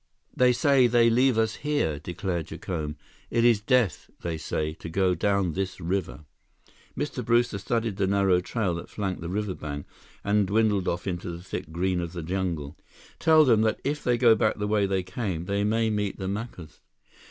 "They say they leave us here," declared Jacome. "It is death, they say, to go down this river." Mr. Brewster studied the narrow trail that flanked the riverbank and dwindled off into the thick green of the jungle. "Tell them that if they go back the way they came, they may meet the Macus."